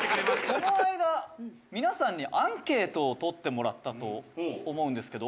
「この間皆さんにアンケートを取ってもらったと思うんですけど覚えてますか？」